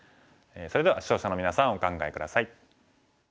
それでは視聴者のみなさんお考え下さい。